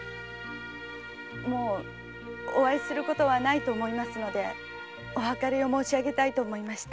もうお会いすることはないと思いますのでお別れを申し上げたいと思いまして。